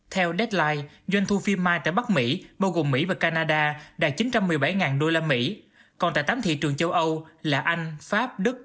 theo deadline doanh thu phim mai tại bắc mỹ bao gồm mỹ và canada đạt chín trăm một mươi bảy usd còn tại tám thị trường châu âu là anh pháp đức